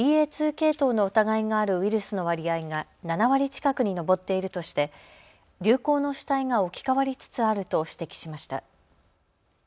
２系統の疑いがあるウイルスの割合が７割近くに上っているとして流行の主体が置き換わりつつあると指摘しました。